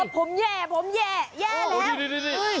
ผมแย่ผมแย่แย่แล้ว